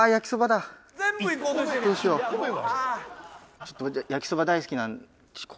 ちょっと待って焼きそば大好き。